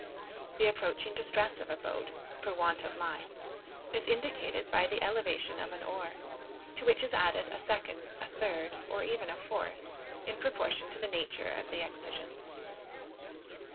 The approaching distress of a boat, for want of line, is indicated by the elevation of an oar, to which is added a second, a third, or even a fourth, in proportion to the nature of the exigence.